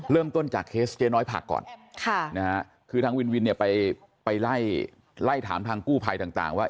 เริ่มต้นจากเคสเจ๊น้อยผักก่อนคือทางวินวินเนี่ยไปไล่ถามทางกู้ภัยต่างว่า